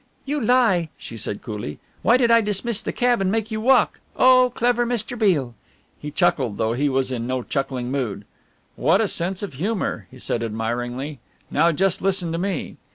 "You lie," she said coolly, "why did I dismiss the cab and make you walk? Oh, clever Mr. Beale!" He chuckled, though he was in no chuckling mood. "What a sense of humour!" he said admiringly, "now just listen to me!"